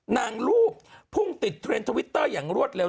รูปพุ่งติดเทรนด์ทวิตเตอร์อย่างรวดเร็ว